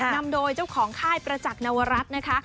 นำโดยเจ้าของค่ายประจักษ์นวรัฐนะคะ